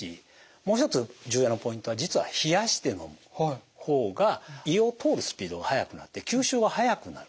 もう一つ重要なポイントは実は冷やして飲む方が胃を通るスピードが速くなって吸収が速くなる。